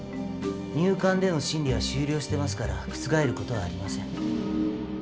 入管での審理は終了してますから覆ることはありません。